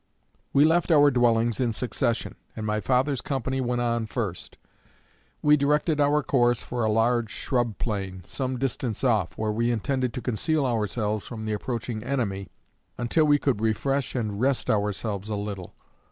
We left our dwellings in succession, and my father's company went on first. We directed our course for a large shrub plain, some distance off, where we intended to conceal ourselves from the approaching enemy, until we could refresh and rest ourselves a little.